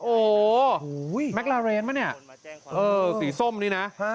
โอ้โหแมคลาเรนปะเนี่ยเออสีส้มนี่นะ